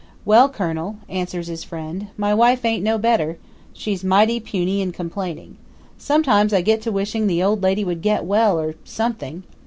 "Well, Colonel," answers his friend, "my wife ain't no better. She's mighty puny and complaining. Sometimes I get to wishing the old lady would get well or something!"